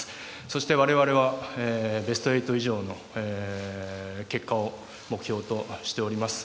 そして我々はベスト８以上の結果を目標としております。